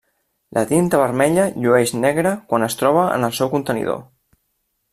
La tinta vermella llueix negra quan es troba en el seu contenidor.